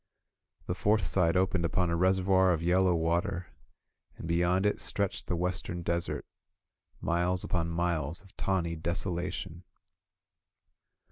The fourth side opened upon a reservoir of yellow water, and be yond it stretched the western desert, miles upon miles of tawny desolation.